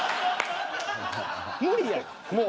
無理やもう。